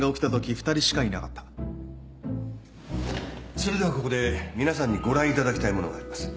それではここで皆さんにご覧いただきたいものがあります。